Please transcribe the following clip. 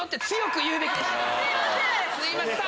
すいません！